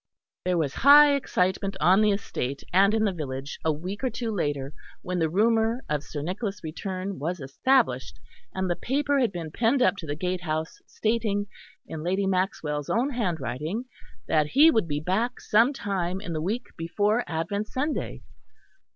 There was high excitement on the estate and in the village a week or two later when the rumour of Sir Nicholas' return was established, and the paper had been pinned up to the gatehouse stating, in Lady Maxwell's own handwriting, that he would be back sometime in the week before Advent Sunday.